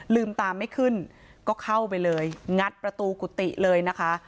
ลืมตาไม่ขึ้นก็เข้าไปเลยงัดประตูกุฏิเลยนะคะ